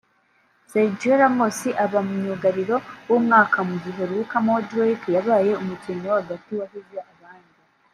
Sergio Ramos aba myugariro w’umwaka mu gihe Luka Modric yabaye umukinnyi wo hagati wahize abandi